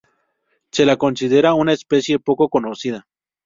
Se la considera una especie poco conocida.